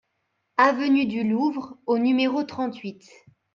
Avenue du Louvre au numéro trente-huit